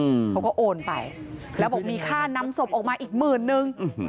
อืมเขาก็โอนไปแล้วบอกมีค่านำศพออกมาอีกหมื่นนึงอืม